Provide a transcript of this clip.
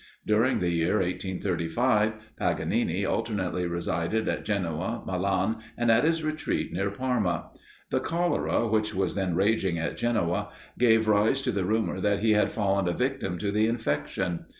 During the year 1835, Paganini alternately resided at Genoa, Milan, and at his retreat near Parma. The cholera, which was then raging at Genoa, gave rise to the rumour that he had fallen a victim to the infection.